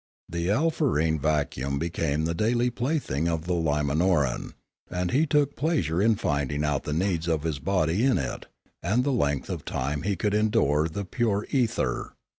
The alfarene vac uum became the daily plaything of the Limanoran, and he took pleasure in finding out the needs of his body in it, and the length of time he could endure the pure ether.